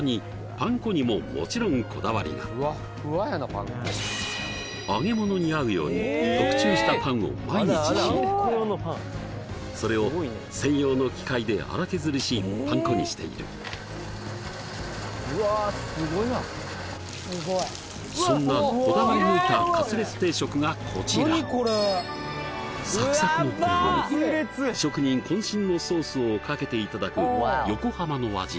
パン粉にももちろんこだわりがを毎日仕入れそれを専用の機械で荒削りしパン粉にしているそんなこだわり抜いたカツレツ定食がこちらサクサクの衣に職人こん身のソースをかけていただく横浜の味